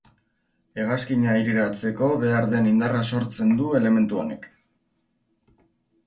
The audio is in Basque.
Hegazkina aireratzeko behar den indarra sortzen du elementu honek.